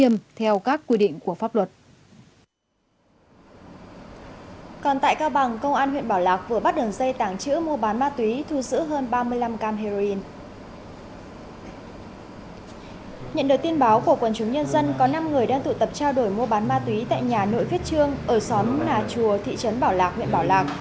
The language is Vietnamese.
nhận được tin báo của quần chúng nhân dân có năm người đang tụ tập trao đổi mua bán ma túy tại nhà nội viết trương ở xóm nà chùa thị trấn bảo lạc huyện bảo lạc